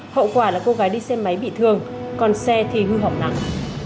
hậu quả là cô gái đi xe máy bị thương còn xe thì hư hỏng nặng